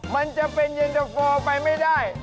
มันจะเป็นเย็นตะโฟไปไม่ได้